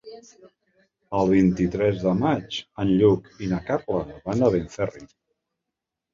El vint-i-tres de maig en Lluc i na Carla van a Benferri.